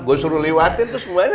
gue suruh lewatin tuh semuanya